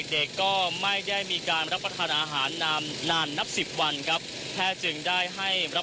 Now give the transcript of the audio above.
พาผู้ชมไปดูประกาศของการแถลงข่าวเมื่อช่วงบ่ายที่ผ่านมากันก่อนนะครับ